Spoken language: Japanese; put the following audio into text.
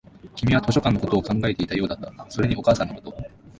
君は図書館のことを考えていたようだった、それにお母さんのこと